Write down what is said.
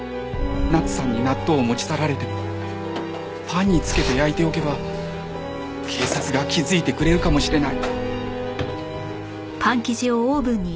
奈津さんに納豆を持ち去られてもパンに付けて焼いておけば警察が気づいてくれるかもしれない。